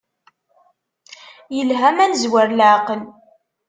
Yelha ma nezwer leɛqel.